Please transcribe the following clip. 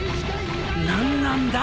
何なんだ？